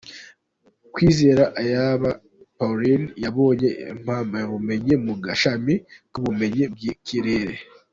Kwizera Ayabba Paulin: yabonye impamyabumenyi mu gashami k’Ubumenyi bw’ikirere.